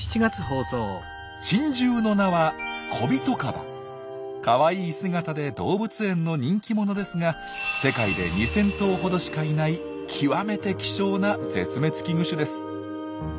珍獣の名はかわいい姿で動物園の人気者ですが世界で２，０００頭ほどしかいない極めて希少な絶滅危惧種です。